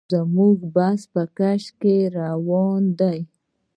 زموږ بس په کش کې روان دی.